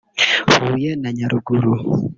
Huye na Nyaruguru